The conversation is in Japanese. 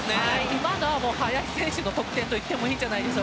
今のは林選手の得点といってもいいと思います。